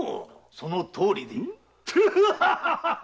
そのとおり。